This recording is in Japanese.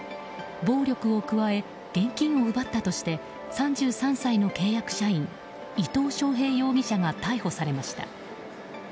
暴力を加え現金を奪ったとして３３歳の契約社員伊藤翔平容疑者が逮捕されました。